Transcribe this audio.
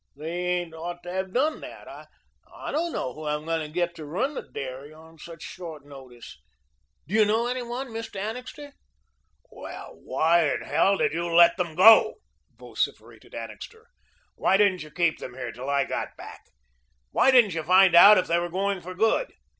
They ain't ought to have done that. I don't know who I'm to get to run the dairy on such short notice. Do you know any one, Mr. Annixter?" "Well, why in hell did you let them go?" vociferated Annixter. "Why didn't you keep them here till I got back? Why didn't you find out if they were going for good?